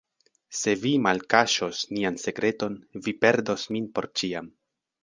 Se vi malkaŝos nian sekreton, vi perdos min por ĉiam.